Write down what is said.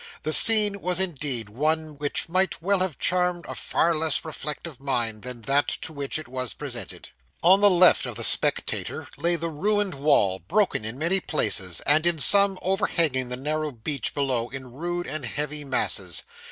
The scene was indeed one which might well have charmed a far less reflective mind, than that to which it was presented. On the left of the spectator lay the ruined wall, broken in many places, and in some, overhanging the narrow beach below in rude and heavy masses.